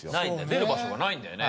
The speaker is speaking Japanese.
出る場所がないんだよね。